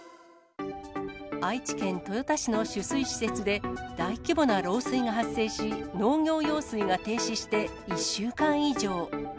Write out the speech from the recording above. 愛知県豊田市の取水施設で大規模な漏水が発生し、農業用水が停止して１週間以上。